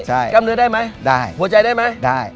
ใช่ได้ได้ได้ได้ได้ได้ได้ได้ได้ได้